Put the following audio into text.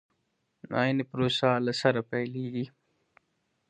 عين پروسه له سره پيلېږي.